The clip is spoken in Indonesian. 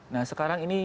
nah sekarang ini